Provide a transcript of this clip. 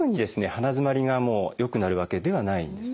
鼻づまりが良くなるわけではないんですね。